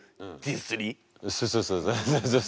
そうそうそうそう。